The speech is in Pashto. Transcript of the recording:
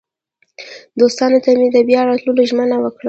دوستانو ته مې د بیا راتلو ژمنه وکړه.